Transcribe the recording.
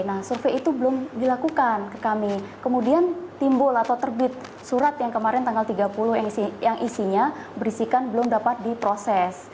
nah survei itu belum dilakukan ke kami kemudian timbul atau terbit surat yang kemarin tanggal tiga puluh yang isinya berisikan belum dapat diproses